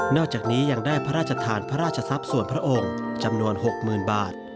อกจากนี้ยังได้พระราชทานพระราชทรัพย์ส่วนพระองค์จำนวน๖๐๐๐บาท